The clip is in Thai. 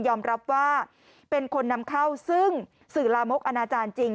รับว่าเป็นคนนำเข้าซึ่งสื่อลามกอนาจารย์จริง